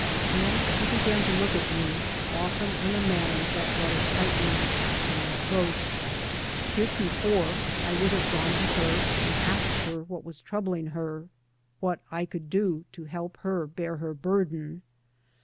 And she began to look at me often in a manner that brought a tightening to my throat. Heretofore I would have gone to her and asked her what was troubling her, what I could do to help her bear her burden.